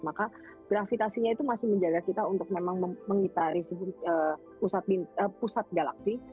maka gravitasinya itu masih menjaga kita untuk memang mengitari pusat galaksi